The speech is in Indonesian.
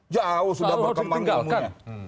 jauh sudah berkembang namanya